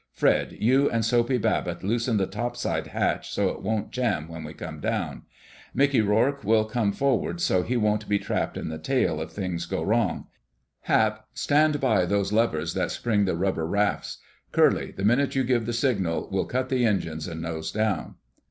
Fred, you and Soapy Babbitt loosen the topside hatch so it won't jam when we come down. Mickey Rourke will come forward so he won't be trapped in the tail if things go wrong. Hap, stand by those levers that spring the rubber rafts. Curly, the minute you give the signal, we'll cut the engines and nose down."